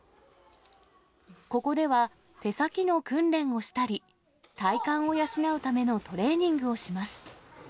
ここでは、手先の訓練をしたり、体幹を養うためのトレーニングをします。